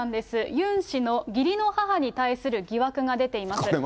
ユン氏の義理の母に対する疑惑が出ています。